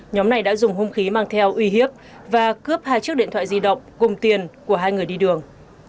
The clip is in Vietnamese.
nhóm này đã dùng hung khí mang theo uy hiếp và cướp hai chiếc điện thoại di động cùng tiền của hai người đi đường